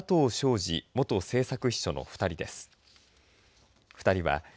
志元政策秘書の２人です。